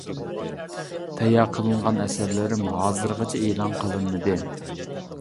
تەييار قىلىنغان ئەسەرلىرىم ھازىرغىچە ئېلان قىلىنمىدى.